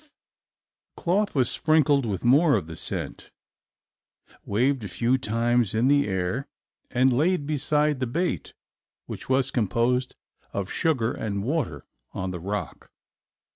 The cloth was sprinkled with more of the scent, waved a few times in the air, and laid beside the bait, which was composed of sugar and water, on the rock.